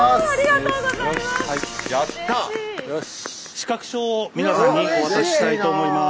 資格証を皆さんにお渡ししたいと思います。